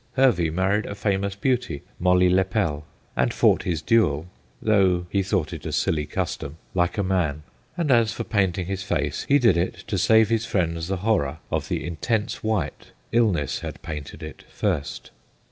Hervey married a famous beauty, Molly Lepel, and fought his duel though he thought it a silly custom like a man ; and as for painting his face, he did it to save his friends the horror of the intense white illness had painted it first.